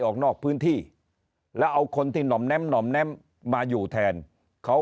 ออกนอกพื้นที่แล้วเอาคนที่หน่อมแน้มห่อมแน้มมาอยู่แทนเขา